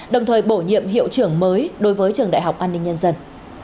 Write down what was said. đồng thời bổ nhiệm hiệu trưởng mới đối với trường đại học an ninh nhân dân